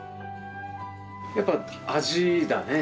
やっぱ味だね。